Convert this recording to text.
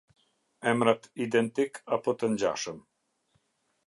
Emrat identik apo të ngjashëm.